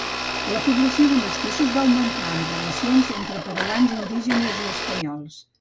La població de mestissos va augmentar amb relacions entre els peruans indígenes i espanyols.